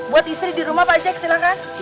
buat istri di rumah pak jack silahkan